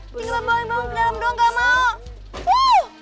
tinggal bang ke dalam dong gak mau